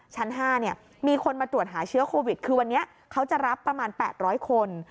ชั้นห้าเนี่ยมีคนมาตรวจหาเชื้อโควิดคือวันนี้เขาจะรับประมาณแปดร้อยคน